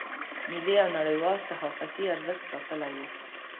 ملي او نړیوال صحافتي ارزښت ساتلی و.